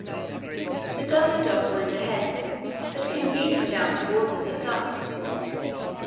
The Dudley Docker went ahead, but came beating down towards us at dusk.